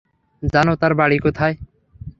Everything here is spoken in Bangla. জানো তার বাড়ি কোথায়?